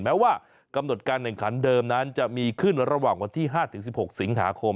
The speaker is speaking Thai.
แม้ว่ากำหนดการแข่งขันเดิมนั้นจะมีขึ้นระหว่างวันที่๕๑๖สิงหาคม